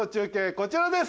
こちらです